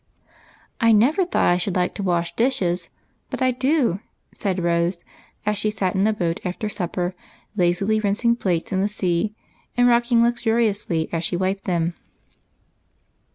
" I never thought I should like to wash dishes, but I do," said Rose, as she sat in a boat after supper lazily rinsing plates in the sea, and rocking luxuriously as she wiped them.